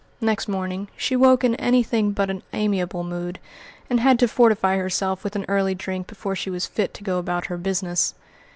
Next morning she woke in anything but an amiable mood, and had to fortify herself with an early drink before she was fit to go about her business.